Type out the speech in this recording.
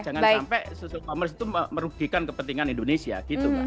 jangan sampai social commerce itu merugikan kepentingan indonesia gitu mbak